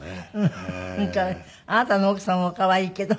あなたの奥様も可愛いけど。